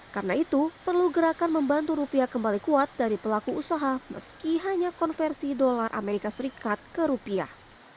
karena itu perlu gerakan membantu rupiah kembali kuat dari pelaku usaha meski hanya konversi dolar amerika serikat ke rupiah